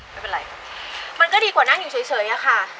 ไม่เป็นไรมันก็ดีกว่านั่งอยู่เฉยอะค่ะ